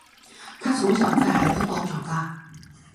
他从小在海德堡长大。